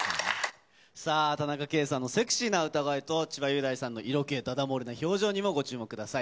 さあ、田中圭さんのセクシーな歌声と、千葉雄大さんの色気だだ漏れな表情にもご注目ください。